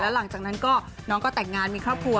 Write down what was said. หลังจากนั้นก็น้องก็แต่งงานมีครอบครัว